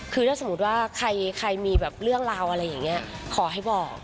คือถ้าสมมุติว่าใครมีแบบเรื่องราวอะไรอย่างนี้ขอให้บอก